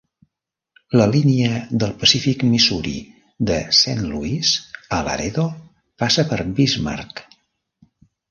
La línia del Pacífic Missouri de Saint Louis a Laredo passa per Bismarck.